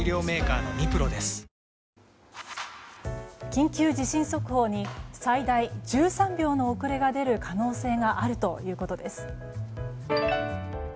緊急地震速報に最大１３秒の遅れが出る可能性があるということです。